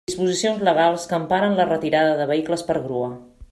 Disposicions legals que emparen la retirada de vehicles per grua.